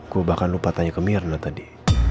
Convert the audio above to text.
gue bahkan lupa tanya ke mirna tadi